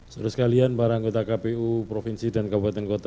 saudara sekalian para anggota kpu provinsi dan kabupaten kota